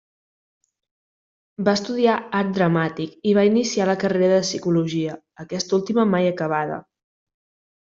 Va estudiar Art Dramàtic i va iniciar la carrera de Psicologia, aquesta última mai acabada.